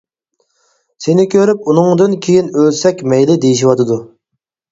سېنى كۆرۈپ، ئۇنىڭدىن كېيىن ئۆلسەك مەيلى دېيىشىۋاتىدۇ.